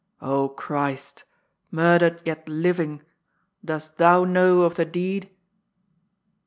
Christ, murdered yet living, dost Thou know of the deed